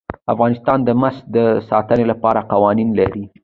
افغانستان د مس د ساتنې لپاره قوانین لري.